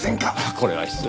これは失礼。